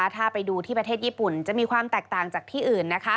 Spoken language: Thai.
ถ้าไปดูที่ประเทศญี่ปุ่นจะมีความแตกต่างจากที่อื่น